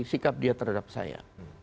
sikap dia terhadap saya